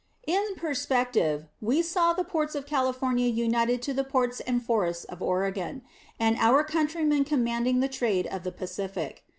In perspective, we saw the ports of California united to the ports and forests of Oregon, and our countrymen commanding the trade of the Pacific.